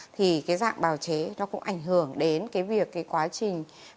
thì cái dạng bào chế nó cũng ảnh hưởng đến cái việc cái quá trình